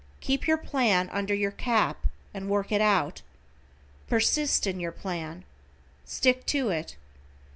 Keep your plan under your cap, and work it out. Persist in your plan. Stick to it.